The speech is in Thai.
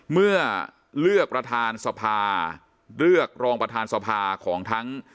เมื่อเลือกประธานสภาเลือกรองประธานสภาของทั้ง